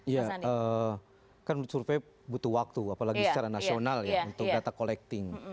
ya kan menurut survei butuh waktu apalagi secara nasional ya untuk data collecting